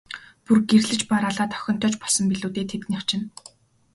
Бүр гэрлэж бараалаад охинтой ч болсон билүү дээ, тэднийх чинь.